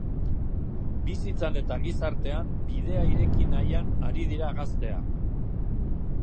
Bizitzan eta gizartean bidea ireki nahian ari dira gazteak.